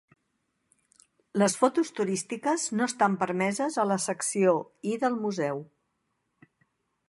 Les fotos turístiques no estan permeses a la secció I del museu.